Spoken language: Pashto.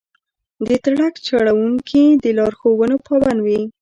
د ټرک چلونکي د لارښوونو پابند وي.